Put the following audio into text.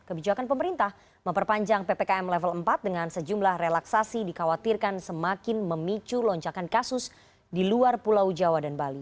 kebijakan pemerintah memperpanjang ppkm level empat dengan sejumlah relaksasi dikhawatirkan semakin memicu lonjakan kasus di luar pulau jawa dan bali